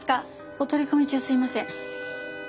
お取り込み中すみません。